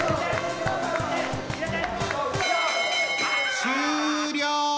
終了！